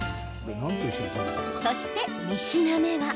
そして３品目は。